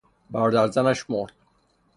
برادر زنش مرد.